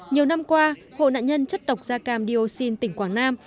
nhiều năm qua hộ nạn nhân chất độc gia cam diocene tỉnh quảng nam